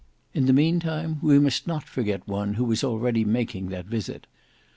In the meantime we must not forget one who is already making that visit.